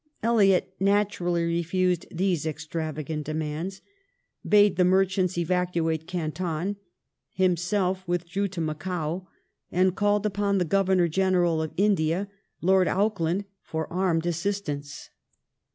Elliot naturally refused these extravagant demands ; bade the merchants evacuate Canton ; himself withdrew to Macao, and called upon the Governor General of India — Lord Auckland ^— for armed assistance.